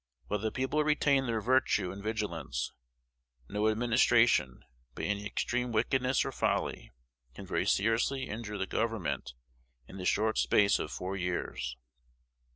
While the people retain their virtue and vigilance, no administration, by any extreme wickedness or folly, can very seriously injure the Government in the short space of four years.